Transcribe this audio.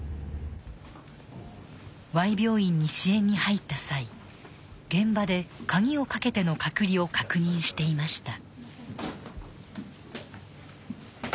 Ｙ病院に支援に入った際現場で鍵をかけての隔離を確認していました。